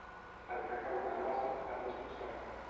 El cacau de la bassa també es conserva.